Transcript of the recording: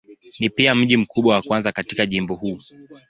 Ni pia mji mkubwa wa kwanza katika jimbo huu.